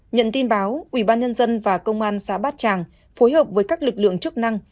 nhận tin báo ubnd và công an xã bát tràng phối hợp với các lực lượng chức năng